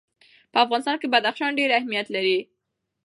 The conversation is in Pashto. په افغانستان کې بدخشان ډېر اهمیت لري.